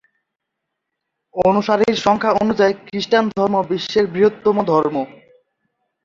অনুসারীর সংখ্যা অনুযায়ী খ্রিস্টধর্ম বিশ্বের বৃহত্তম ধর্ম।